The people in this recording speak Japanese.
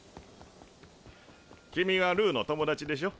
君はルーの友達でしょ？